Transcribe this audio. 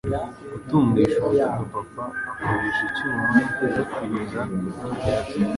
Gutungisha ubutaka Papa akoresha icyuma gikwirakwiza ibyatsi